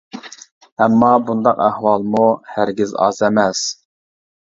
ئەمما بۇنداق ئەھۋالمۇ ھەرگىز ئاز ئەمەس.